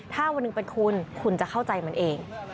ถ้าวันหนึ่งเป็นคุณคุณจะเข้าใจมันเอง